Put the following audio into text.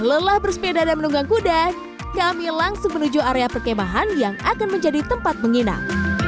lelah bersepeda dan menunggang kuda kami langsung menuju area perkemahan yang akan menjadi tempat menginap